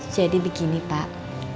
jadi begini pak